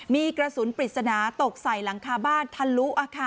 มีกระสุนปริศนาตกใส่หลังคาบ้านทะลุ